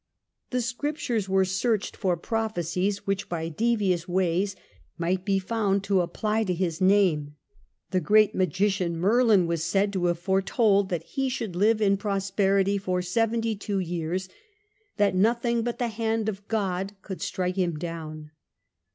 The Scriptures were searched for prophecies which, by devious ways, might be found to apply to his name. The great magician Merlin was said to have foretold that he should live in prosperity for seventy two years, that nothing but the hand of God could strike him down.